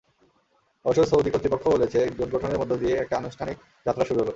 অবশ্য সৌদি কর্তৃপক্ষ বলেছে, জোট গঠনের মধ্য দিয়ে একটা আনুষ্ঠানিক যাত্রা শুরু হলো।